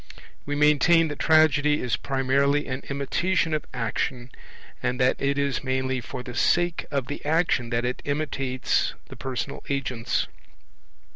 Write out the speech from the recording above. We maintain that Tragedy is primarily an imitation of action, and that it is mainly for the sake of the action that it imitates the personal agents.